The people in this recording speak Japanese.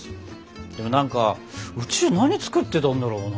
でも何かうちは何作ってたんだろうな。